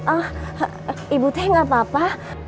ah ibu teh gak apa apa